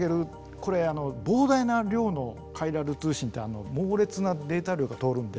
これあの膨大な量のカイラル通信って猛烈なデータ量が通るんで。